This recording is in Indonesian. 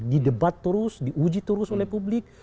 didebat terus diuji terus oleh publik